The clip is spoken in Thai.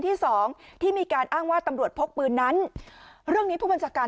ที่สองที่มีการอ้างว่าตำรวจพกปืนนั้นเรื่องนี้ผู้บัญชาการ